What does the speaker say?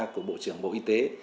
của bộ trưởng bộ y tế